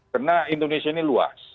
karena indonesia ini luas